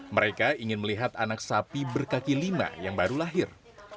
mereka ingin melihat anak sapi berkaki lima yang baru lahir